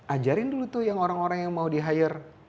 ajarin dulu tuh yang orang orang yang mau di hire